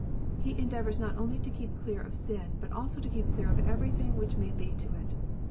He endeavours not only to keep clear of sin, but also to keep clear of everything which may lead to it.